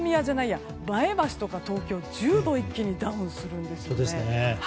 前橋とか東京、１０度一気にダウンするんですね。